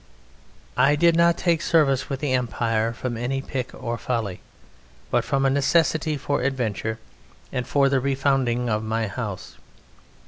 I did not take service with the Empire from any pique or folly, but from a necessity for adventure and for the refounding of my house.